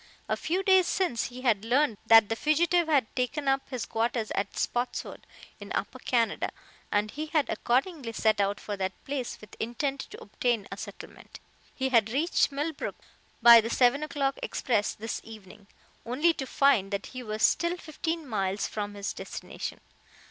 A few days since he had learned that the fugitive had taken up his quarters at Spotswood, in Upper Canada, and he had accordingly set out for that place with intent to obtain a settlement. He had reached Millbrook by the seven o'clock express this evening, only to find that he was still fifteen miles from his destination.